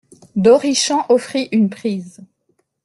D'Orichamps offrit une prise.